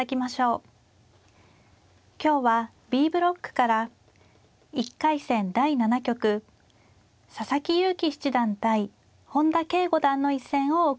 今日はＢブロックから１回戦第７局佐々木勇気七段対本田奎五段の一戦をお送りします。